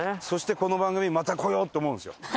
そしてこの番組にまた来よう！って思うんですよ。